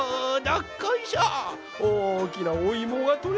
おおきなおいもがとれたぞい！